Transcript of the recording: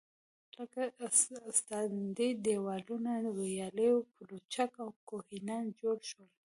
لكه: استنادي دېوالونه، ويالې، پولچك او كوهيان جوړ شول.